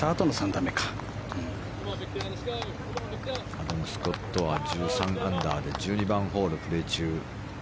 アダム・スコットは１３アンダーで１２番ホールをプレー中。